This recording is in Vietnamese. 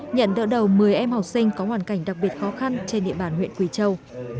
nhận đỡ đầu một mươi em học sinh có hoàn cảnh đặc biệt khó khăn trên địa bàn huyện quỳ châu